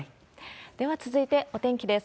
では続いてお天気です。